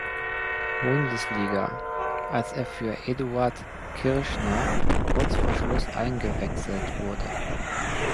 Bundesliga, als er für Eduard Kirschner kurz vor Schluss eingewechselt wurde.